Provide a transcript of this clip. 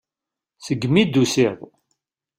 Segmi i d-tusiḍ.